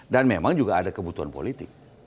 dan memang juga ada kebutuhan politik